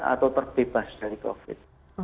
atau terbebas dari covid sembilan belas